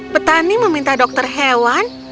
petani meminta dokter hewan